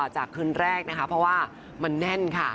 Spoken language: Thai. จากคืนแรกนะคะเพราะว่ามันแน่นค่ะ